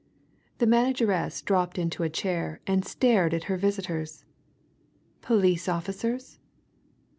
The manageress dropped into a chair and stared at her visitors. Police officers?